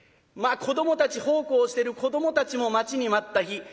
まあ子どもたち奉公してる子どもたちも待ちに待った日。